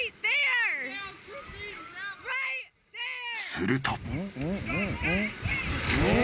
［すると］